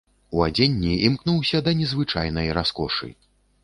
У адзенні імкнуўся да незвычайнай раскошы.